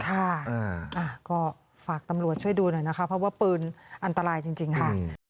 ค่ะก็ฝากตำรวจช่วยดูหน่อยนะคะเพราะว่าปืนอันตรายจริงค่ะ